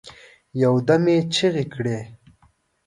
یو دم یې چیغي کړې